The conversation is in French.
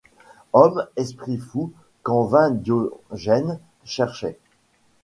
Homme, esprit fou qu’en vain Diogène cherchait